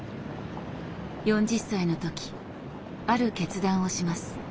４０歳の時ある決断をします。